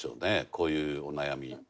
こういうお悩み。